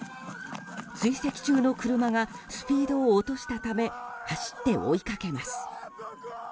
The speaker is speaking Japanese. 追跡中の車がスピードを落としたため走って追いかけます。